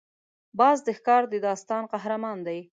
باز د ښکار د داستان قهرمان دی